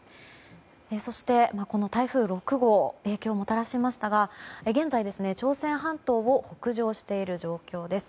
そして、この台風６号影響をもたらしましたが現在、朝鮮半島を北上している状況です。